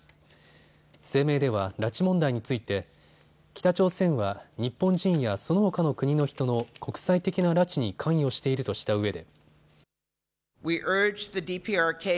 声明では拉致問題について北朝鮮は日本人やそのほかの国の人の国際的な拉致に関与しているとしたうえで。